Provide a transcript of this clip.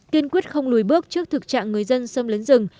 kiên quyết không lùi bước trước thực trạng người dân xâm lấn rừng